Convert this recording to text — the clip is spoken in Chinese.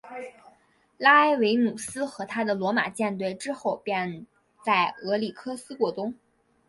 拉埃维努斯和他的罗马舰队之后便在俄里科斯过冬。